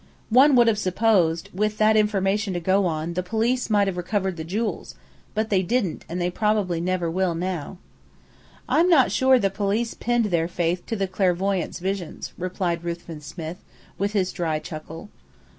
One would have supposed, with that information to go upon, the police might have recovered the jewels, but they didn't, and probably they never will now." "I'm not sure the police pinned their faith to the clairvoyante's visions," replied Ruthven Smith, with his dry chuckle.